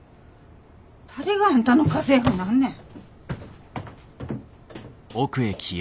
誰があんたの家政婦になんねん！